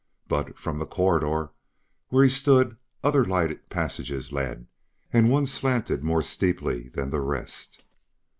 But, from the corridor where he stood other lighted passages led; and one slanted more steeply than the rest.